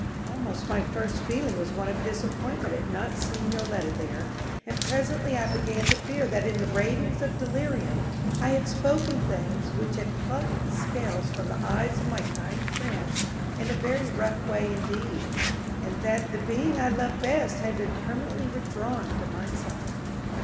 Almost my first feeling was one of disappointment at not seeing Yoletta there, and presently I began to fear that in the ravings of delirium I had spoken things which had plucked the scales from the eyes of my kind friends in a very rough way indeed, and that the being I loved best had been permanently withdrawn from my sight.